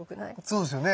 そうですよね。